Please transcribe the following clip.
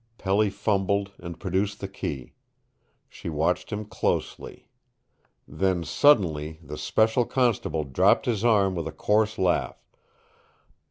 Felly fumbled and produced the key. She watched him closely. Then suddenly the special constable dropped his arms with a coarse laugh.